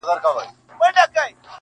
پيشو نه وه يو تور پړانگ وو قهرېدلى-